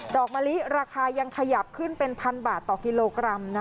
อกมะลิราคายังขยับขึ้นเป็นพันบาทต่อกิโลกรัม